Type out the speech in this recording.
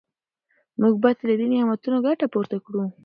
موږ باید له دې نعمتونو ګټه پورته کړو.